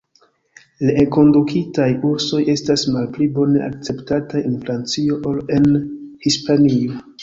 Reenkondukitaj ursoj estas malpli bone akceptataj en Francio ol en Hispanio.